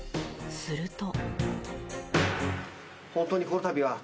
すると。